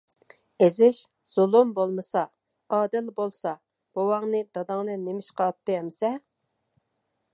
-ئېزىش، زۇلۇم بولمىسا، ئادىل بولسا، بوۋاڭنى، داداڭنى نېمىشقا ئاتتى ئەمىسە؟